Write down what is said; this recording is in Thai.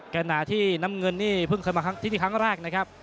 ขณะที่น้ำเงินนี่เพิ่งเคยมาที่นี่ครั้งแรกนะครับ